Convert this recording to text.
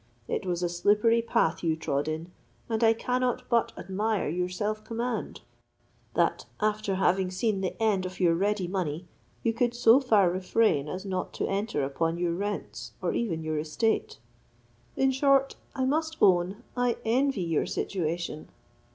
It was a slippery path you trod in, and I cannot but admire your self command, that, after having seen the end of your ready money, you could so far refrain as not to enter upon your rents, or even your estate. In short, I must own, I envy your situation.